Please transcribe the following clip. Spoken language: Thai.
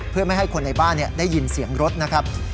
เพื่อไม่ให้คนในบ้านได้ยินเสียงรถนะครับ